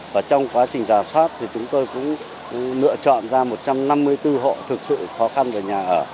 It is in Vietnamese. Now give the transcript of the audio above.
và trong quá trình giả soát thì chúng tôi cũng lựa chọn ra một trăm năm mươi bốn hộ thực sự khó khăn về nhà ở